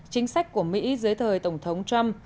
chính sách của mỹ dưới thời tổng thống trump